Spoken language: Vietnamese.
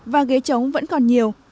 và ghế trống vẫn còn nhiều